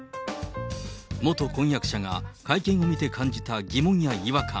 元婚約者が会見を見て感じた疑問や違和感。